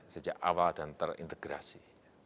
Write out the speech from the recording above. sejak awal dan terintegrasi